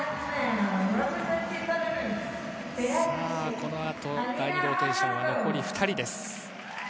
このあと第２ローテーションは残り２人です。